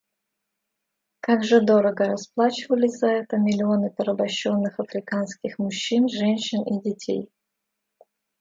Как же дорого расплачивались за это миллионы порабощенных африканских мужчин, женщин и детей!